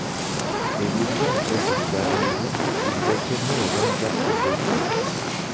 Évoluant au poste de gardien de but, il joue actuellement au Rangers Football Club.